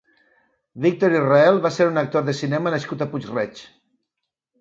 Víctor Israel va ser un actor de cinema nascut a Puig-reig.